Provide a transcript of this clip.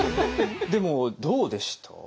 でもどうでした？